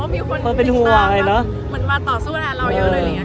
มีคนเป็นไปด้วย